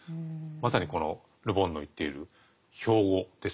まさにこのル・ボンの言っている標語ですよね。